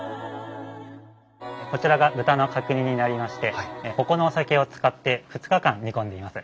こちらが豚の角煮になりましてここのお酒を使って２日間煮込んでいます。